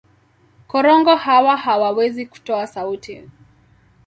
Korongo hawa hawawezi kutoa sauti.